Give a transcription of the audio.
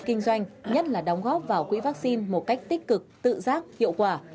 kinh doanh nhất là đóng góp vào quỹ vaccine một cách tích cực tự giác hiệu quả